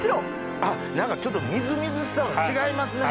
あっ何かちょっとみずみずしさが違いますね。